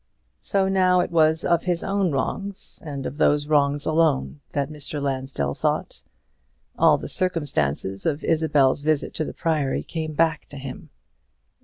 So now it was of his own wrongs, and of those wrongs alone, that Mr. Lansdell thought. All the circumstances of Isabel's visit to the Priory came back to him.